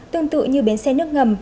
tương tự như bến xe nước ngầm